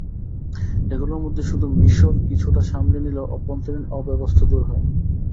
এগুলোর মধ্যে শুধু মিসর কিছুটা সামলে নিলেও অভ্যন্তরীণ অব্যবস্থা দূর হয়নি।